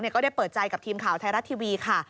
ก็ได้เปิดใจกับทีมข่าวไทยรัฐทีวีค่ะ